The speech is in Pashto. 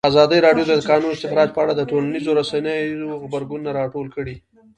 ازادي راډیو د د کانونو استخراج په اړه د ټولنیزو رسنیو غبرګونونه راټول کړي.